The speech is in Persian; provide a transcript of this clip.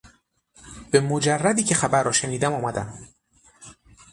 به مجردی که خبر را شنیدم آمدم.